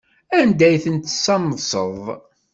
Anda ay ten-tessamseḍ?